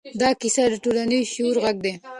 دا کیسه د ټولنیز شعور غږ دی.